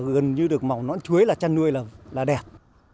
gần như được màu nõn chuối là chăn nuôi là đẹp